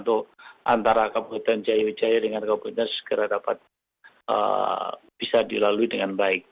atau antara kabupaten jaya wijaya dengan kabupaten segera dapat bisa dilalui dengan baik